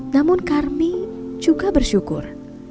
namun karmi juga bersyukur